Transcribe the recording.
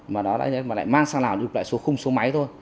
mà lại mang sang lào đục lại số khung số máy thôi